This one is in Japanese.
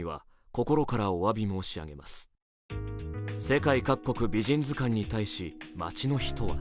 世界各国美人図鑑に対し街の人は